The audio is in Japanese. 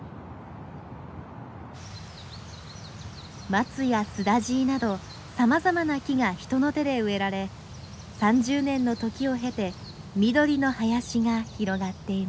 マツやスダジイなどさまざまな木が人の手で植えられ３０年の時を経て緑の林が広がっています。